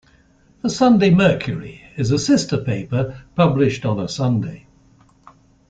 The "Sunday Mercury" is a sister paper published on a Sunday.